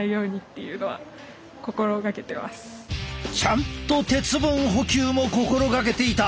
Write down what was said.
ちゃんと鉄分補給も心がけていた。